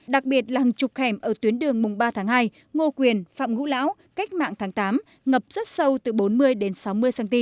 đặc biệt là hàng chục hẻm ở tuyến đường mùng ba tháng hai ngô quyền phạm ngũ lão cách mạng tháng tám ngập rất sâu từ bốn mươi đến sáu mươi cm